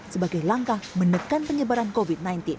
sebagai langkah menekan penyebaran covid sembilan belas